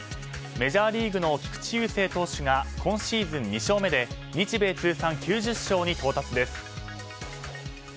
メジャーリーグの菊池雄星投手が今シーズン２勝目で日米通算９０勝に到達です。